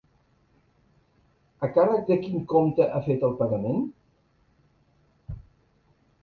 A càrrec de quin compte ha fet el pagament?